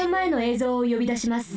ぞうをよびだします。